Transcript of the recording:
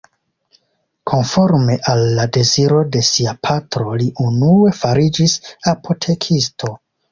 Konforme al la deziro de sia patro li unue fariĝis apotekisto.